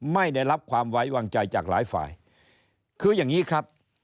ไม่ได้รับความไว้วางใจจากหลายฝ่ายคืออย่างนี้ครับ